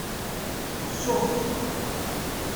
Suff.